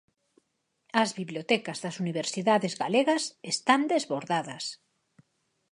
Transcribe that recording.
As bibliotecas das universidades galegas están desbordadas.